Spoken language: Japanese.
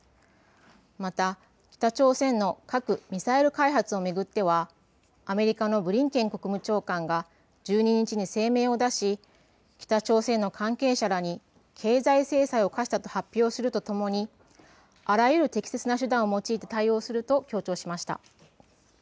また北朝鮮の核・ミサイル開発を巡ってはアメリカのブリンケン国務長官が１２日に声明を出し北朝鮮の関係者らに経済制裁を科したと発表するとともにあらゆる適切な手段を用いて対応すると強調しました。